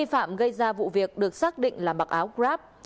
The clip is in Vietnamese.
phạm gây ra vụ việc được xác định là mặc áo grab